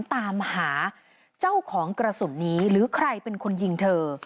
ตามหาเจ้าของกระสุนนี้หรือใครเป็นคนยิงเธอ